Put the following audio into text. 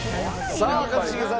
さあ一茂さん